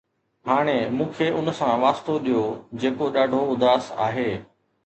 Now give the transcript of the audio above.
هاڻي مون کي ان سان واسطو ڏيو جيڪو ڏاڍو اداس آهي